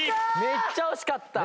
めっちゃ惜しかった！